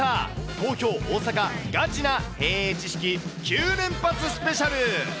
東京、大阪、ガチなへぇ知識９連発スペシャル。